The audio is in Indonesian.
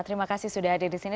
terima kasih sudah hadir di sini